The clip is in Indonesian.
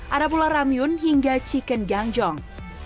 ada pula ramyun hingga chicken gangjeong